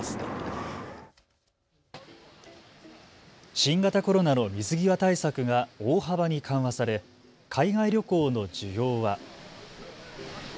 新型コロナの水際対策が大幅に緩和され、海外旅行の需要は。